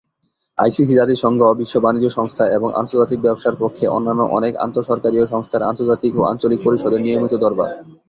ICC জাতিসংঘ, বিশ্ব বাণিজ্য সংস্থা এবং আন্তর্জাতিক ব্যবসার পক্ষে অন্যান্য অনেক আন্তঃসরকারিয় সংস্থার আন্তর্জাতিক ও আঞ্চলিক পরিষদের নিয়মিত দরবার।